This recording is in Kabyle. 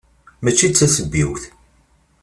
Mačči d tasebbiwt.